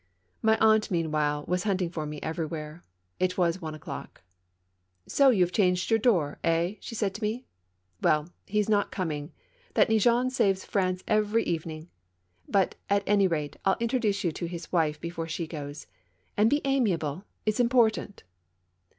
" My aunt, meanwhile, was hunting for me everywhere. It was one o'clock. "So you have changed your door, eh ?" she said to me. "Well, he's not coming: that Neigeon saves France every evening I But, at any rate, I'll introduce you to his wife before she goes. And be amiable, it's impor tant